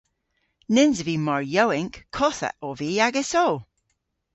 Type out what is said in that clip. Nyns ov vy mar yowynk! Kottha ov vy agesso!